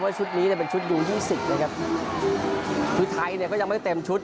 ชุดนี้เนี่ยเป็นชุดยูยี่สิบนะครับคือไทยเนี่ยก็ยังไม่ได้เต็มชุด